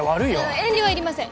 遠慮はいりません。